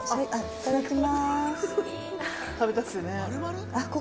いただきます。